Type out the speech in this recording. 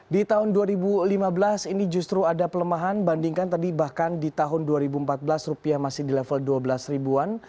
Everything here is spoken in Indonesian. di tahun dua ribu lima belas ini justru ada pelemahan bandingkan tadi bahkan di tahun dua ribu empat belas rupiah masih di level dua belas ribuan